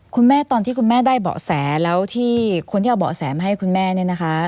คุณแม่ตอนที่คุณแม่ได้เบาะแสแล้วที่คนที่เอาเบาะแสมาให้คุณแม่เนี่ยนะคะ